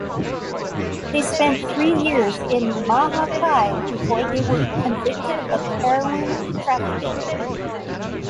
They spent three years in Maha Chai before they were convicted of heroin trafficking.